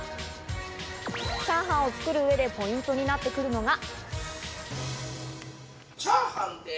チャーハンを作る上でポイントになってくるのが。